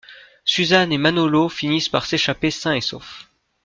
Susan et Manolo finissent par s'échapper sains et saufs.